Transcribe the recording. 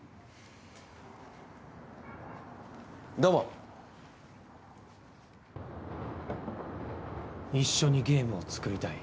どうも一緒にゲームを作りたい？